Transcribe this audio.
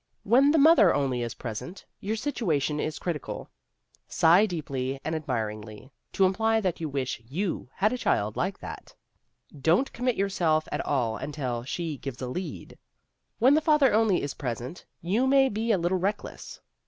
When the mother only is present, your situation is critical. Sigh deeply and admiringly, to imply that you wish you had a child like that. Don't commit yourself at all until she gives a lead. When the father only is present, you may be a little reckless.